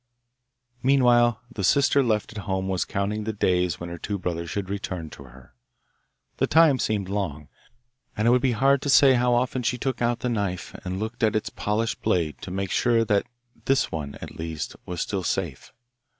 Meanwhile the sister left at home was counting the days when her two brothers should return to her. The time seemed long, and it would be hard to say how often she took out the knife and looked at its polished blade to make sure that this one at least was still safe.